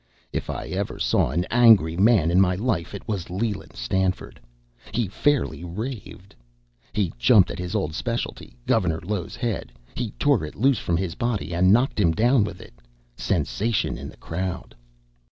If I ever saw an angry man in my life it was Leland Stanford. He fairly raved. He jumped at his old speciality, Gov. Low's head; he tore it loose from his body and knocked him down with it. (Sensation in the crowd.)